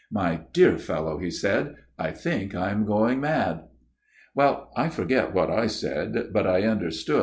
"' My dear fellow,' he said. ' I think I am going mad.' " Well ; I forget what I said : but I understood MR.